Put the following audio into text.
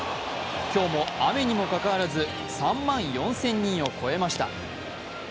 今日も雨にもかかわらず３万４０００人を超えました。